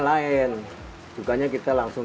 lain cukanya kita langsung